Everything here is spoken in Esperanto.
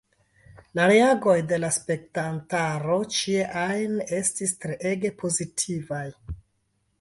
La reagoj de la spektantaro ĉie ajn estis treege pozitivaj.